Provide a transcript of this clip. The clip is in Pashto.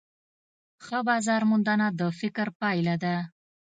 ښه بازارموندنه د فکر پایله ده.